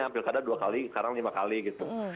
pilih pilih ada dua kali sekarang lima kali gitu